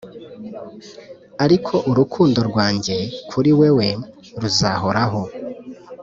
ariko urukundo rwanjye kuri wewe ruzahoraho,